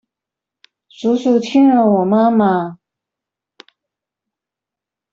叔叔親了我媽媽